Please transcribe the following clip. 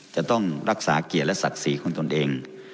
จะต้องรักษาเกียรติและศักดิ์ศรีของตนเอง